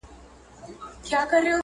او څو ازغي یې د زړګي تل نه زبان ته راشي